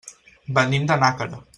Venim de Nàquera.